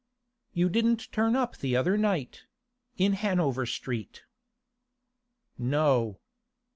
'You didn't turn up the other night—in Hanover Street.' 'No.